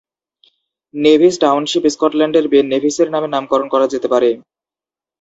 Nevis township স্কটল্যান্ডের Ben নেভিসের নামে নামকরণ করা যেতে পারে।